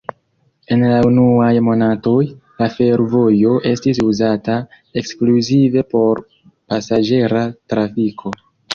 En la unuaj monatoj, la fervojo estis uzata ekskluzive por pasaĝera trafiko.